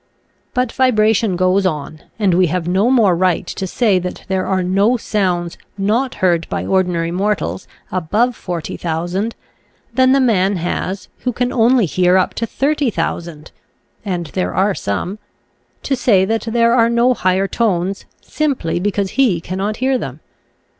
But vi bration goes on, and we have no more right to say that there are no sounds not heard by ordinary mortals, above 40,000, than the man has, who can only hear up to 30,000 (and there are some), to say that there are no higher tones simply because he cannot hear them.